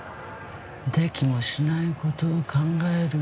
できもしない事を考える。